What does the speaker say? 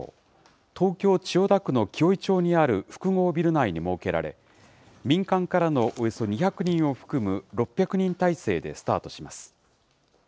東京・千代田区の紀尾井町にある複合ビル内に設けられ、民間からのおよそ２００人を含む、６００人体制でスタートします。